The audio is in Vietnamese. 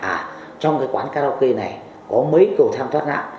à trong cái quán karaoke này có mấy cầu thang thoát nạn